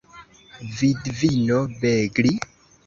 Vidvino Begli?